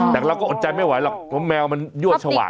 แต่เราก็อดใจไม่ไหวหรอกเพราะแมวมันยั่วฉวาด